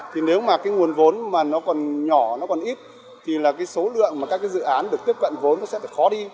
thì nếu mà cái nguồn vốn mà nó còn nhỏ nó còn ít thì là cái số lượng mà các cái dự án được tiếp cận vốn nó sẽ phải khó đi